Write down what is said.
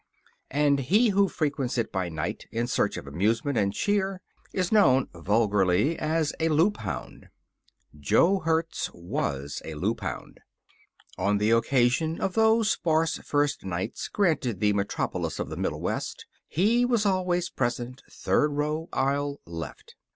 And he who frequents it by night in search of amusement and cheer is known, vulgarly, as a Loop hound. Jo Hertz was a Loop hound. On the occasion of those sparse first nights granted the metropolis of the Middle West he was always present, third row, aisle, left.